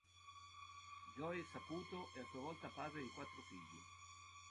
Joey Saputo è a sua volta padre di quattro figli.